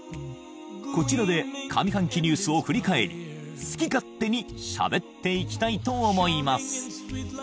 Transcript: こちらで上半期ニュースを振り返り好き勝手にしゃべっていきたいと思います。